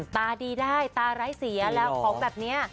ตาดีได้ตาไร้เสียแล้วของแบบนี้